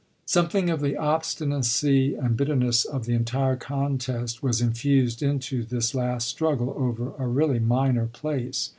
Something of the obstinacy and bitterness of the entire contest was infused into this last struggle over a really minor place.